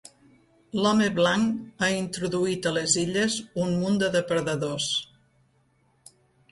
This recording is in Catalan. L'home blanc ha introduït a les illes un munt de depredadors.